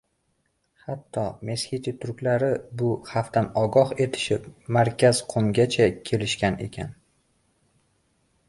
Hatto mesxeti turklari bu xavfdan ogoh etishib, Markazqo‘mgacha kelishgan ekan.